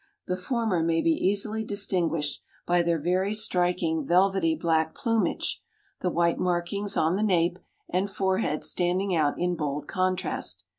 The former may be easily distinguished by their very striking velvety black plumage, the white markings on the nape and forehead standing out in bold contrast.